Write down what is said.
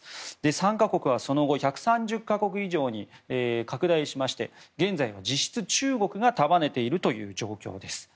参加国はその後１３０か国以上に拡大しまして現在は実質、中国が束ねている状況です。